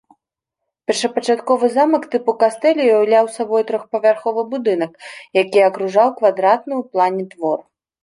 Першапачатковы замак тыпу кастэль уяўляў сабой трохпавярховы будынак, які акружаў квадратны ў плане двор.